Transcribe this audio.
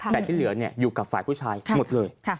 แต่ที่เหลืออยู่กับฝ่ายผู้ชายหมดเลย